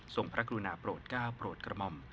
ส่งพระกรุณาปลดกล้าวปลดกระหม่อม